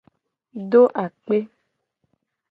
Do akpe.